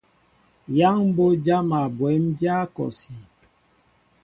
Yaŋ mbo jama bwémdja kɔsí.